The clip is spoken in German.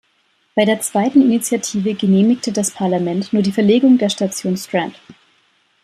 Bei der zweiten Initiative genehmigte das Parlament nur die Verlegung der Station "Strand".